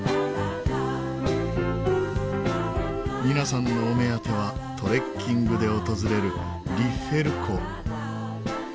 皆さんのお目当てはトレッキングで訪れるリッフェル湖。